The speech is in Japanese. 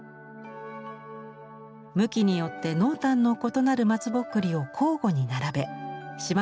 向きによって濃淡の異なるまつぼっくりを交互に並べしま